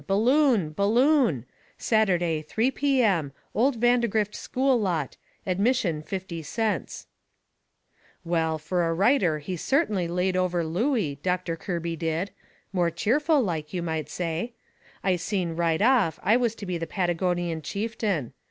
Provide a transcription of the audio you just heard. Balloon!! Balloon!!! Saturday, 3 P. M. Old Vandegrift School Lot Admission 50 Cents Well, fur a writer he certainly laid over Looey, Doctor Kirby did more cheerful like, you might say. I seen right off I was to be the Patagonian Chieftain.